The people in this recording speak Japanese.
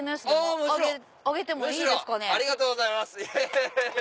むしろありがとうございます。